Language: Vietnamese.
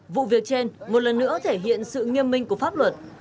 vụ việc trên một lần nữa thể hiện sự nghiêm minh của pháp luật